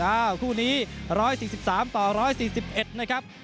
คู่นี้๑๔๓ต่อ๑๔๑นะครับ